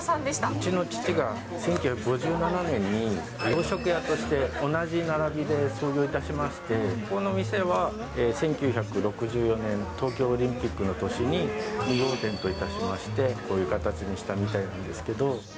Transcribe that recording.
うちの父が１９５７年に洋食屋として同じ並びで創業いたしまして、ここの店は１９６４年、東京オリンピックの年に２号店といたしまして、こういう形にしたみたいなんですけど。